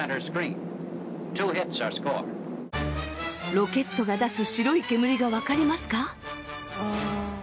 ロケットが出す白い煙が分かりますか？